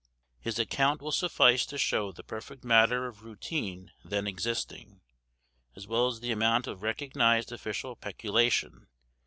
His account will suffice to show the perfect matter of routine then existing, as well as the amount of recognised official peculation.